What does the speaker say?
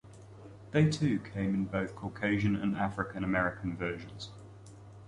They too came in both Caucasian and African American versions.